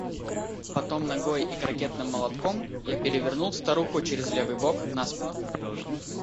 Потом ногой и крокетным молотком я перевернул старуху через левый бок на спину.